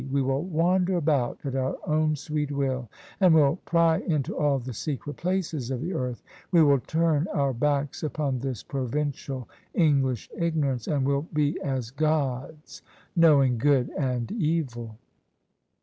We will wander about at our own sweet will, and will pry into all the secret places of the earth : we will turn our backs upon this provincial English ignorance, and will be as gods knowing good and evil."